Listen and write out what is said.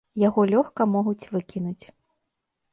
Яго лёгка могуць выкінуць.